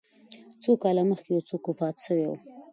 څو کاله مخکي یو څوک وفات سوی و